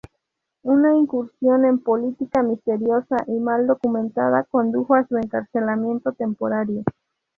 Una incursión en política misteriosa y mal documentada condujo a su encarcelamiento temporario.